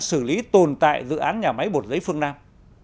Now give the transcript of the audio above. xử lý tồn tại dự án nhà máy bột giấy phương nam